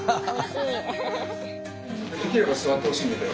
できれば座ってほしいんだけど。